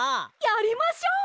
やりましょう！